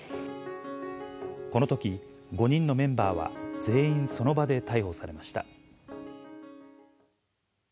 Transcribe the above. このとき、５人のメンバーは全員、その場で逮捕されました。